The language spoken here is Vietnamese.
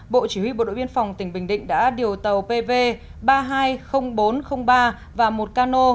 bộ chỉ huy bộ đội biên phòng tỉnh bình định đã điều tàu pv ba nghìn hai mươi nghìn bốn trăm linh ba và một cano